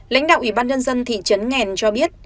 lãnh đạo ủy ban nhân dân thị trấn nghèn cho biết